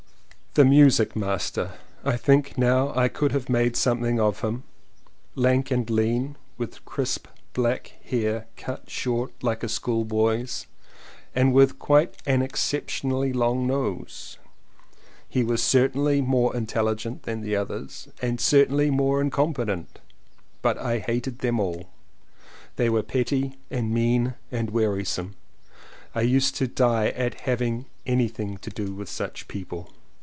The music master — I think now I could have made something of him — lank and lean, with crisp black hair cut short like a school boy's and with quite an exceptionally long nose; he was certainly more intelli gent than the others and certainly more incompetent. But I hated them all, they were petty and mean and wearisome. I used to die at having anything to do with such people.